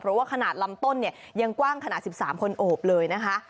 เพราะว่าขนาดลำต้นเนี่ยยังกว้างขนาด๑๓คนโอบเลยนะคะ